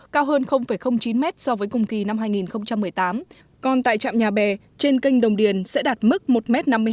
cao hơn chín m so với cùng kỳ năm hai nghìn một mươi tám còn tại trạm nhà bè trên kênh đồng điền sẽ đạt mức một m năm mươi hai